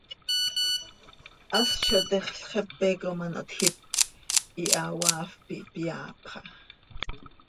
Hast zo htexl, xepe com ano htjiit, hihahoaafp ihpyaapxa.